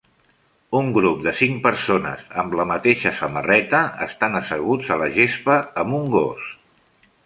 Un grup de cinc persones amb la mateixa samarreta estan asseguts a la gespa amb un gos.